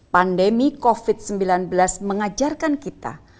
pandemi covid sembilan belas mengajarkan kita